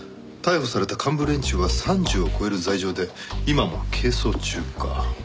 逮捕された幹部連中は３０を超える罪状で今も係争中か。